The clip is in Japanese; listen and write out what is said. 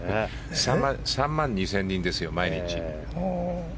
３万２０００人ですよ毎日。